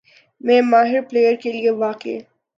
میں ماہر پلئیر کے لیے واقعی